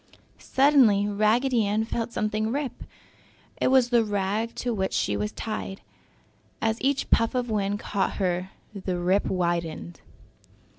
Suddenly Raggedy Ann felt something rip. It was the rag to which she was tied. As each puff of wind caught her the rip widened.